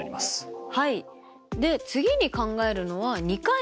はい。